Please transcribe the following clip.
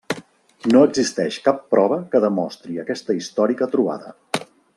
No existeix cap prova que demostri aquesta històrica trobada.